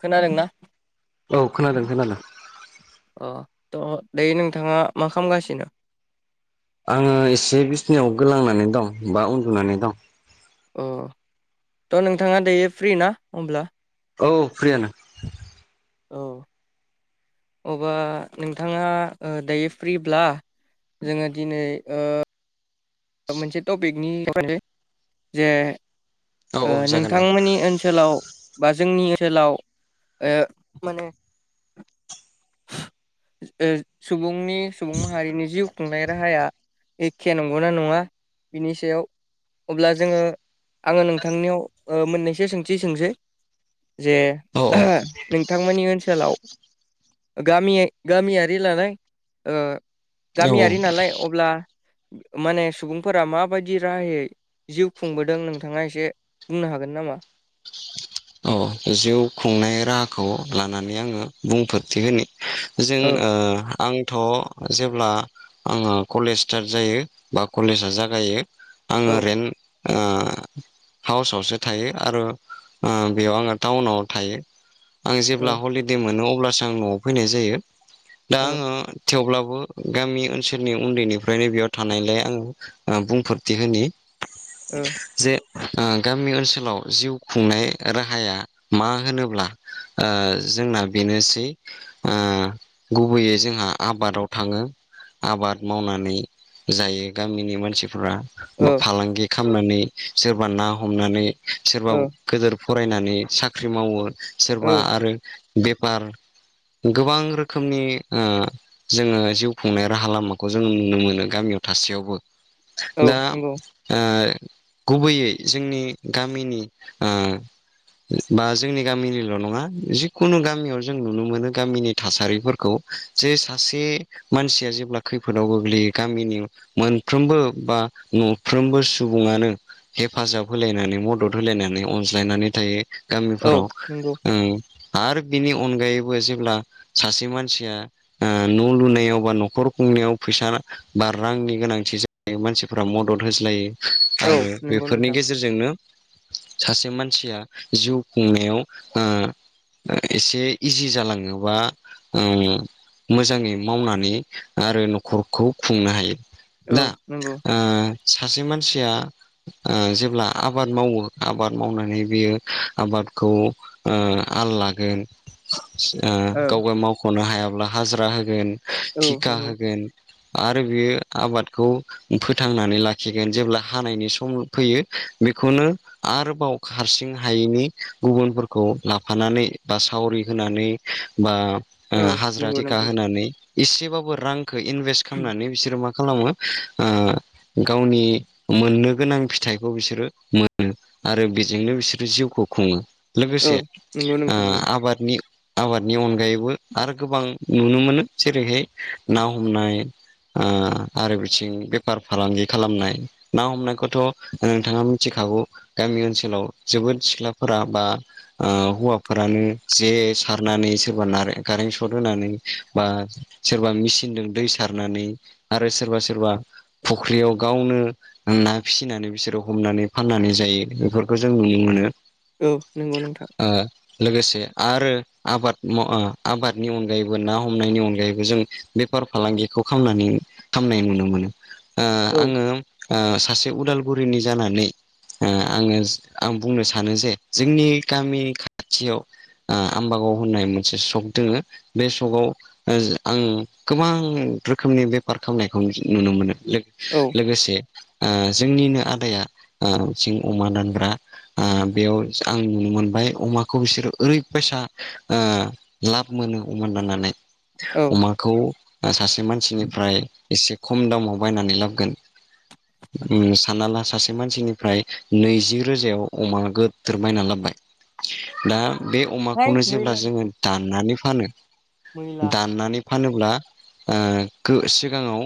खोनादोंना खोनादों खोनादों त' दायो नोंथाङा मा खालामगासिनो आङो एसे बिसनायाव गोलांनानै दं बा उन्दुनानै दं अ थ' नोंथाङा दायो फ्रि ना होमब्ला औ फ्रियानो औ अब्ला नोंथाङा ओ दायो फ्रिब्ला जोङो दिनै ओ मोनसे टपिकनि [inaudible] जे औ औ ओ जागोन दे नोंथांमोननि ओनसोलाव बा जोंनि ओनसोलाव ओ माने ओ सुबुंनि सुबुं माहारिनि जिउ खुंनाय राहाया एखे नंगौना नङा बिनि सायाव अब्ला जोङो आङो नोंथांनियाव मोननैसो सोंथि सोंसै जे औ नोंथांमोननि ओनसोलाव गामि गामियारि नालाय ओ औ गामियारि नालाय अब्ला माने सुबुंफोरा माबायदि राहायै जिउ खुंबोदों नोंथाङा एसे बुंनो हागोन नामा अ जिउ खुंनाय राहाखौ लानानै आङो बुंफोरथि होनि जों ओ आंथ' जेब्ला आङो कलेज स्टार्ट जायो बा कलेजा जागायो आं आङो औ रेन्ट ओ हाउसावसो थायो आरो ओ बेयाव आङो टाउनाव थायो आं जेब्ला औ हलिदे मोनो अब्लासो आं न'वाव फैनाय जायो दा औ आङो थेवब्लाबो गामि ओनसोलनि उन्दैनिफ्रायनो बेयाव थानायलाय आङो बुंफोरथि होनि ओ जे ओ गामि ओनसोलाव जिउ खुंनाय राहाया मा होनोब्ला ओ जोंना बेनोसै ओ गुबैयै जोंहा आबादाव थाङो आबाद मावनानै जायो गामिनि मानसिफ्रा बा ओ फालांगि खालामनानै सोरबा ना हमनानै सोरबा गोदोर फरायनानै साख्रि मावो ओ सोरबा आरो बेफार गोबां रोखोमनि ओ जोङो जिउ खुंनाय राहा लामाखौ जों नुनो मोनो गामियाव थासेयावबो औ दा नंगौ ओ गुबैयै जोंनि गामिनि ओ बा जोंनि गामिनिल' नङा जिखुनु गामियाव जों नुनो मोनो गामिनि थासारिफोरखौ खौ जे सासे मानसिया जेब्ला खैफोदाव गोग्लैयो गामिनि मोनफ्रोमबो बा न'फ्रोमबो सुबुङानो हेफाजाब होलायनानै मदद होलायनानै अनज्लायनानै नाथाय औ गामिफोराव नंगौ ओ आरो बिनि अनगायैबो जेब्ला सासे मानसिया ओ न' लुनायाव बा न'खर [unintelligible] फैसा बा रांनि गोनांथि जायो मानसिफोरा मदद होज्लायो औ आरो नंगौ बेफोरनि नोंथां गेजेरजोंनो सासे मानसिया जिउ खुंनायाव ओ एसे इजि जालाङोबा ओ मोजाङै मावनानै आरो नख'रखौ खुंनो हायो औ दा नंगौ ओ सासे मानसिया ओ जेब्ला आबाद मावो आबाद मावनानै बियो आबादखौ ओ आल लागोन ओ ओ गाव गाय मावख'नो हायाब्ला हाजिरा होगोन औ थिखा नंगौ होगोन आरो बेयो आबादखौ फोथांनानै लाखिगोन जेब्ला हानायनि सम फैयो बेखौनो आरोबाव हारसिङा हायिनि गुबुनफोरखौ लाफानानै बा सावरि होनानै बा ओ हाजिरा नंगौ थिखाा नंगौ होनानै एसेबाबो रांखौ इनभेस्ट खालामनानै बिसोरो मा खालामो ओ गावनि मोननो गोनां फिथाइखौ बिसोरो मोनो आरो बेजोंनो बिसोरो जिउखौ खुङो औ लोगोसे नंगौ ओ नोंथां आबादनि आबादनि अनगायैबो आरो गोबां नुनो मोनो जेरैहाय ना हमनाय ओ आरो बिथिं बेफार फालांगि खालामनाय ना हमनायखौथ' नोंथाङा मिथिखायो हागौ गामि ओनसोलाव जोबोद सिख्लाफोरा बा ओ हौवाफोरानो जे सारनानै सोरबा ना स्वट होनानै बा सोरबा मेसिनजों दै सारनानै आरो सोरबा सोरबा फुख्रियाव गावनो ना फिसिनानै बिसोरो हमनानै फाननानै जायो बेफोरखौ जों नुनो मोनो। औ नोंगौ नोंथां। ओ लोगोसे आरो आबाद माव ओ आबादनि अनगायैबो ना हमनायनि अनगायैबो जों बे फार फालांगिखौ खामनानै खामनाय नुनो मोनो। ओ औ आङो ओ सासे उदालगुरिनि जानानै ओ आङो आं बुंनो सानो जे जोंनि गामि खाथियाव आ आम्बागाव होननाय मोनसे सक दोङो बे सकाव ओ आं गोबां रोखोमनि बेफार खामनायखौ नुनो मोनो। औ लोग-लोगोसे ओ जोंनिनो आदाया ओ जिं अमा दानग्रा [inaudible] आ बेयाव आं नुनो मोनबाय अमाखौ बिसोरो ओरैबायसा ओ लाब मोनो मोनदाननानै औ अमाखौ आ सासे मानसिनिफ्राय एसे खम दामाव बायनानै लाबगोन उम सान्ना ला सासे मानसिनिफ्राय नैजि रोजायाव अमा गोद्दोर बायना लाबबाय दा बे है अमाखौनो जेब्ला मैला जोङो दाननानै फानो मैला दाननानै फानोब्ला आ गो सिगाङाव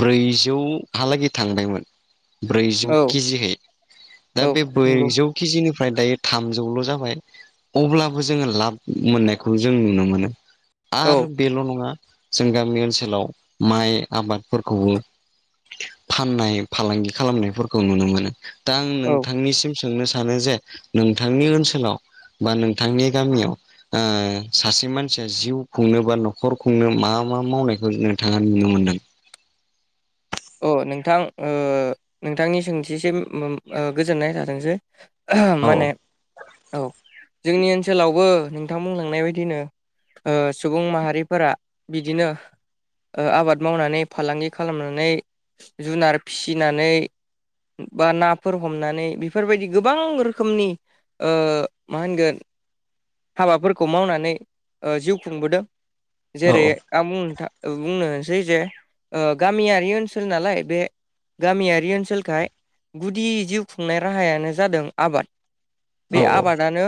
ब्रैजौहालागै थांनायमोन। ब्रैजौ औ कि जिहै दा औ बे नंगौ ब्रैजौ कि जि निफ्राय दायो थामजौल' जाबाय अब्लाबो जोङो लाब मोननायखौ जों नुनो मोनो। औ आरो बेल' नङा जों गामि ओनसोलाव माइ आबादफोरखौबो फाननाय फालांगि खालामनायफोरखौ नुनो मोनो दा आं औ नोंथांनि सोंनो सानो जे नोंथांनि ओनसोलाव बा नोंथांनि गामियाव ओ सासे मानसिया जिउ खुंनो बा न'खर खुंनो मा मा मावनायखौ नोंथाङा नुनो मोनदों? अ नोंथां ओ नोंथांनि सोंथिसिम मोम ओ गोजोननाय थाथोंसै [unintelligible] औ माने औ जोंनि ओनसोलावबो नोंथां बुंलांनाय बायदिनो ओ सुबुं माहारिफोरा बिदिनो ओ आबाद मावनानै फालांगि खालामनानै जुनार फिसिनानै बा नाफोर हमनानै बिफोरबायदि गोबां रोखोमनि ओ मा होनगोन? हाबाफोरखौ मावनानै ओ जिउ खुंबोदों। औ जेरै आं बुंनो था ओ बुंनोसै जे ओ गामियारि ओनसो सोल नालाय बे गामियारि ओनसोलखाय गुदि जिउ खुंनाय राहायानो जादों आबाद। बे औ आबादानो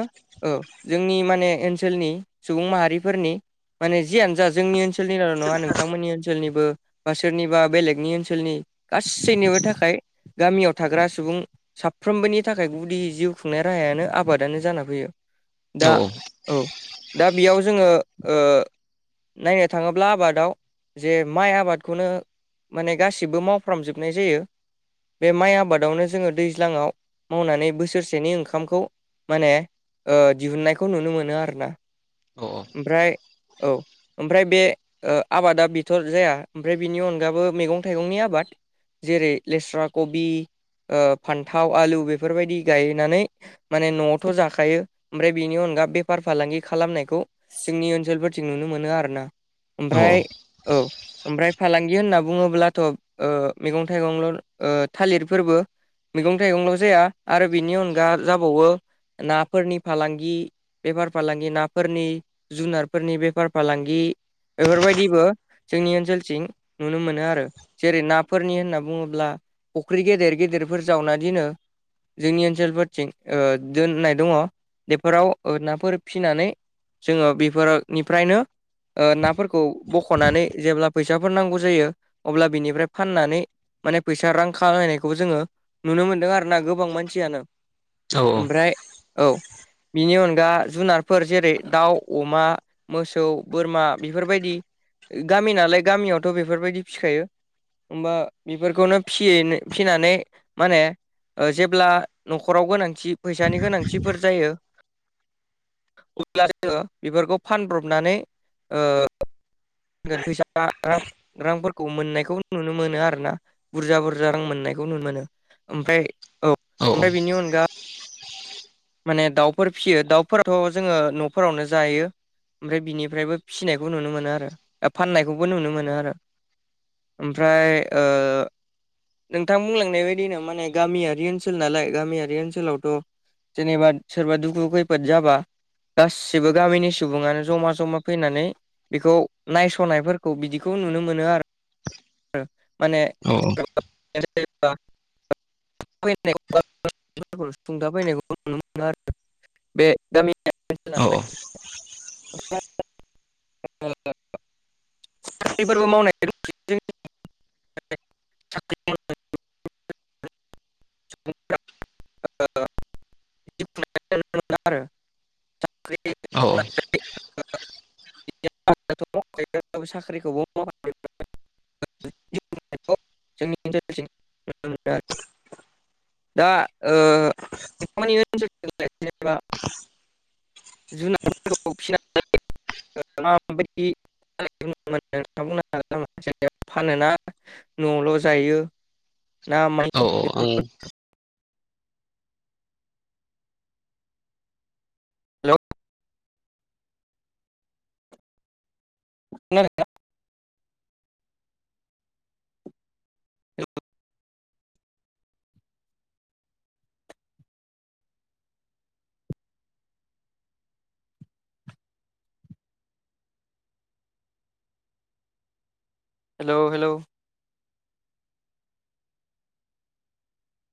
ओ जोंनि माने ओनसोलनि सुबुं माहारिफोरनि माने जियानो जा जोंनि ओनसोलनिल' नङा नोंथांमोननि ओनसोलनिबो बा सोरनिबा बेलेगनि ओन सोलनि गासैनिबो थाखाय गामियाव थाग्रा सुबुं साफ्रोमबोनि थाखाय गुदि जिउ जिउ खुंनाय राहायानो आबादानो जाना फैयो औ दा औ। दा बियाव जोङो ओ नायनो थाङोब्ला आबादाव जे माइ आबादखौनो माने गासिबो मावफ्रामजोबनाय जायो। बे माइ आबादावनो जोङो दैज्लाङाव मावनानै बोसोरसेनि ओंखामखौ माने ओ दिहुननायखौ नुनो मोनो आरोना औ ओमफ्राय औ ओमफ्राय बे ओ आबादा बिथर जाया ओमफ्राय बिनि अनगाबो मेगं थाइगंनि आबाद जेरै लेस्रा कबि ओ फान्थाव आलु बेफोरबायदि गायनानै माने न'आवथ' जाखायो ओमफ्राय बेनि अन गा बेफार फालांगि खालामनायखौ जोंनि ओनसोलफोरथिं नुनो मोनो आरोना। औ ओमफ्राय औ ओमफ्राय फालांगि होनना बुङोब्ला थ' ओ मेगं थाइगंल' ओ थालिरफोरबो मैगं थाइगंल' जाया आरो बिनि अनगा जाबावो नाफोरनि फालांगि बेफार फालांगि नाफोरनि जुनारफोरनि बेफार फालांगि बेफोरबायदिबो जोंनि ओनसोलथिं नुनो मोनो आरो। जेरै नाफोरनि होनना बुंङोब्ला फुख्रि गेदेर गेदेरफोर जावना दिनो जोंनि ओनसोलफोरथिं ओ दोननाय दंङ बेफोराव ओ नाफोर फिनानै जोङो बेफोरोनिफ्रायनो ओ नाफोरखौ बोख'नानै जेब्ला फैसाफोर नांगौ जायो अब्ला बिनिफ्राय फाननानै माने फैसा रां खामानायखौबो जोंङो नुनो मोनदों आरो। ना गोबां मानसिआनो ओमफ्राय औ बिनि अन दा जुनारफोर जेरै दाउ अमा मोसौ बोरमा बेफोरबायदि गामि नालाय गामियावथ' बेफोरबायदि फिखायो। होमबा बेफोरखौनो फियो फिनानै माने ओ जेब्ला न'खराव गोनांथि फैसानि गोनांथिफोर जायो। अब्ला [unintelligible] बेफोरखौ फानब्रबनानै ओ [unintelligible] फैसा रां रांफोरखौ मोननायखौ नुनो मोनो आरो ना। बुरजा बुरजा रां मोननायखौ नुनो मोनो ओमफ्राय औ ओमफ्राय बेनि अनगा माने दाउफोर फिसियो दाउफोराथ' जोङो न'फोरावनो जायो ओमफ्राय बिनिफ्रायबो फिसिनायखौ नुनो मोनो आरो फाननायखौबो नुनो मोनो आरो। ओमफ्राय ओ नोंथां बुंलांनाय बायदिनो माने गामियारि ओनसोल नालाय गामियारि ओनसोलावथ' जेनेबा सोरबा दुखु खैफोद जाबा गासिबो गामिनि सुबुङानो जमा जमा फैनानै बेखौ नायस'नायफोरखौ बिदिखौ नुनो मोनो आरो माने [unintelligible] [unintelligible] नुनो मोनो आरो बे गामि। ओनसोल औ औ [unintelligible] साख्रिफोरबो मावनाय दंसै [unintelligible] [unintelligible] [unintelligible] औ औ मावनानै [unintelligible] [unintelligible] जोंनि ओनसोलथिं नुनो मोनो आरो दा ओ [unintelligible] जुनारफोरखौ फिसिनानै [unintelligible] [unintelligible] न'आवल' जायो। ना माय औ आं [unintelligible] [unintelligible] औ हेलौ हेलौ